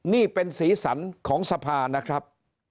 นี่เป็นสีสันของสภานะครับ